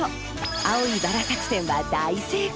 青いバラ作戦は大成功。